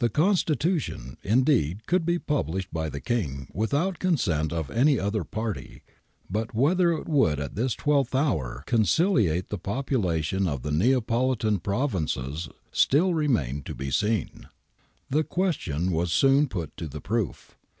The Constitution, indeed, could be published by the King without the consent of any other party, but whether it would at this twelfth hour conciliate the population of the Neapolitan pro vinces still remained to be seen. The question was soon put to the proof.